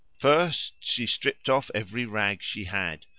"First she stripped off every rag she had.